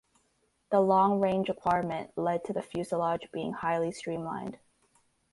The long range requirement led to the fuselage being highly streamlined.